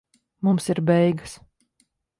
Mums ir beigas.